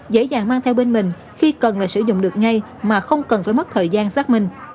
dễ dàng mang theo bên mình khi cần là sử dụng được ngay mà không cần phải mất thời gian xác minh